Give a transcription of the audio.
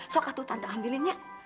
sokak tuh tante ambilinnya